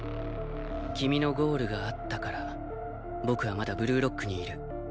君のゴールがあったから僕はまだブルーロックにいる。